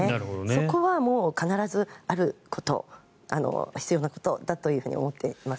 そこはもう必ずあること必要なことだと思っています。